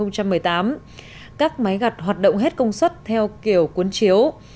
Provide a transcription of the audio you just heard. các máy gặt hoạt động hết công suất theo kiểu cuốn chiếu